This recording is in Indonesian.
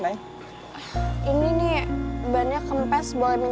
dengan membunuh orang orang